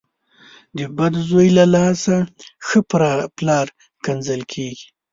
د بد زوی له لاسه ښه پلار کنځل کېږي.